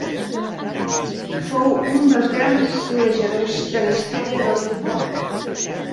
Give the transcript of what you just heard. Fou un dels grans golejadors de la història del futbol.